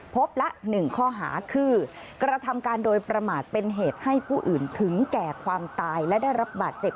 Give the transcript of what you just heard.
ละ๑ข้อหาคือกระทำการโดยประมาทเป็นเหตุให้ผู้อื่นถึงแก่ความตายและได้รับบาดเจ็บ